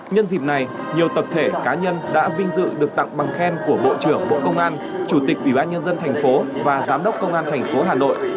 nhân dịp này nhiều tập thể cá nhân đã vinh dự được tặng bằng khen của bộ trưởng bộ công an chủ tịch ủy ban nhân dân thành phố và giám đốc công an thành phố hà nội